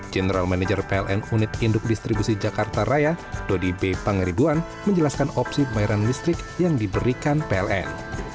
general manager pln unit induk distribusi jakarta raya dodi b pangeribuan menjelaskan opsi pembayaran listrik yang diberikan pln